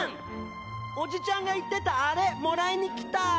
おじちゃんが言ってたアレもらいにきた。